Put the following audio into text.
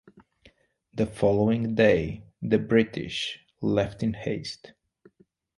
The following day, the British left in haste.